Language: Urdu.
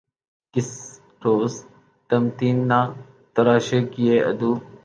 کس روز تہمتیں نہ تراشا کیے عدو